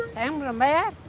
sayang belum bayar